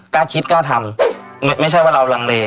กล้าคิดกล้าทำไม่ใช่ว่าเราลังเล